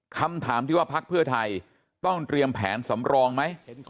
คำถามที่ว่าพักเพื่อไทยต้องเตรียมแผนสำรองไหม